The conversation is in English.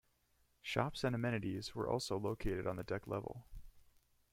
Shops and amenities were also located on the deck level.